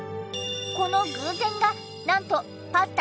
この偶然がなんとパスタ